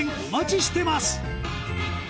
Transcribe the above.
お待ちしてます